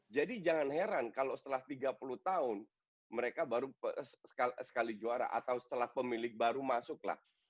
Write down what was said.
jadi jangan heran kalau setelah tiga puluh tahun mereka baru sekali juara atau setelah pemilik baru masuk lah